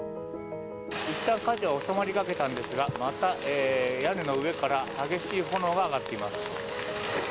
いったん火事は収まりかけたんですがまた屋根の上から激しい炎が上がっています。